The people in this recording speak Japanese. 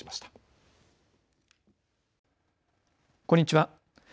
こんにちは。